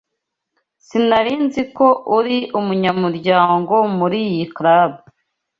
Sinari nzi ko uri umunyamuryango muriyi club.